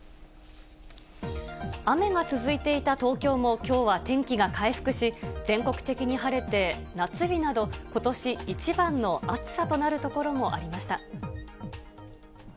雨が続いていた東京も、きょうは天気が回復し、全国的に晴れて、夏日など、ことし一番の暑さとなる所もありました。